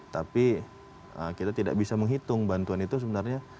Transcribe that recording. tapi kita tidak bisa menghitung bantuan itu sebenarnya